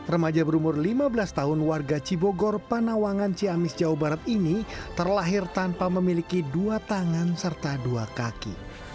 remaja berumur lima belas tahun warga cibogor panawangan ciamis jawa barat ini terlahir tanpa memiliki dua tangan serta dua kaki